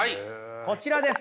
こちらです。